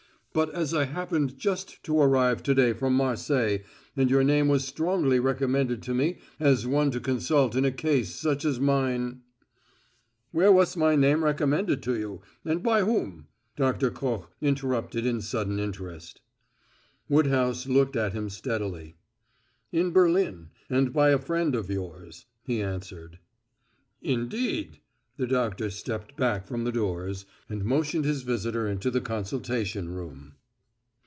"But as I happened just to arrive to day from Marseilles, and your name was strongly recommended to me as one to consult in a case such as mine " "Where was my name recommended to you, and by whom?" Doctor Koch interrupted in sudden interest. Woodhouse looked at him steadily. "In Berlin and by a friend of yours," he answered. "Indeed?" The doctor stepped back from the doors, and motioned his visitor into the consultation room.